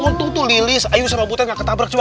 untung tuh lilih ayo serobotan gak ketabrak juga